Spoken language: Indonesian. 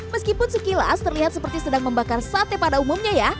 meskipun sekilas terlihat seperti sedang membakar sate pada umumnya ya